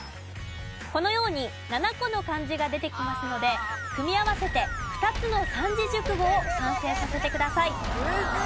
このように７個の漢字が出てきますので組み合わせて２つの３字熟語を完成させてください。